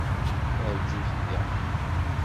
Rjut da!